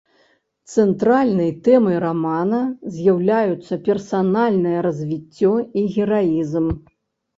Цэнтральнай тэмай рамана з'яўляюцца персанальнае развіццё і гераізм.